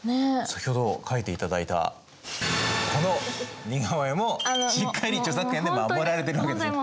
先ほど描いていただいたこの似顔絵もしっかり著作権で守られてるわけですね。